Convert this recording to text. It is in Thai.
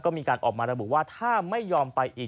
ก็มีการออกมาระบุว่าถ้าไม่ยอมไปอีก